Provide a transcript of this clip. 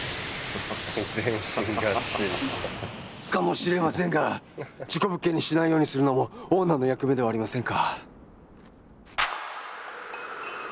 かもしれませんが事故物件にしないようにするのもオーナーの役目ではありませんか？